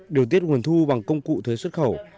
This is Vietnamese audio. điều tiết nguồn thu bằng công cụ thuế xuất khẩu